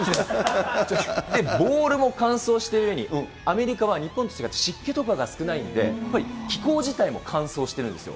ボールも乾燥しているうえに、アメリカは日本と違って湿気とかが少ないんで、やっぱり、気候自体も乾燥してるんですよ。